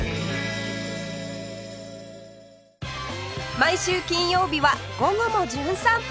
毎週金曜日は『午後もじゅん散歩』